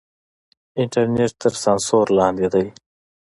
انټرنېټ تر سانسور لاندې دی.